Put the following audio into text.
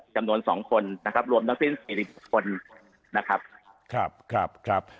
จำนวน๒คนรวมนั้นซิ่ง๔๐คน